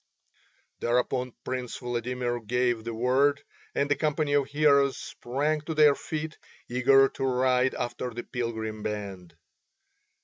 Thereupon Prince Vladimir gave the word, and a company of heroes sprang to their feet, eager to ride after the pilgrim band.